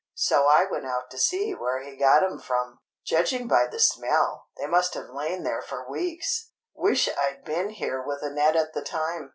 So I went out to see where he got 'em from. Judging by the smell, they must have lain there for weeks. Wish I'd been here with a net at the time.